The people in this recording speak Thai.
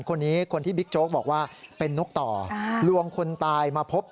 คนนี้คนที่บิ๊กโจ๊กบอกว่าเป็นนกต่อลวงคนตายมาพบ